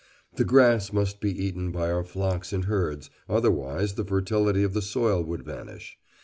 The grass must be eaten by our flocks and herds, otherwise the fertility of the soil would vanish.